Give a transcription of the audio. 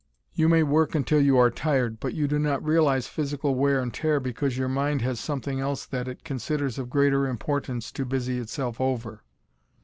You may work until you are tired, but you do not realize physical wear and tear because your mind has something else that it considers of greater importance to busy itself over.